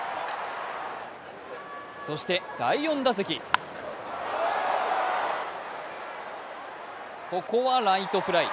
そして、第４打席ここはライトフライ。